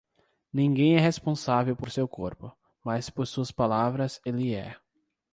Ninguém é responsável por seu corpo, mas por suas palavras ele é.